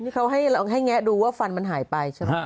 ที่เขาให้แงะดูว่าฟันมันหายไปใช่ไหม